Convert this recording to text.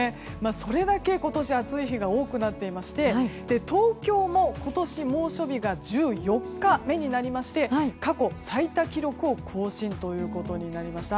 それだけ今年は暑い日が多くなっていまして東京も今年猛暑日が１４日目になりまして過去最多記録を更新ということになりました。